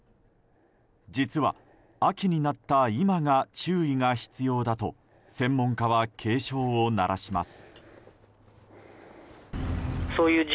実は秋になった今が注意が必要だと専門家は警鐘を鳴らします。